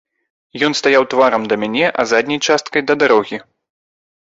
Ён стаў тварам да мяне, а задняй часткай да дарогі.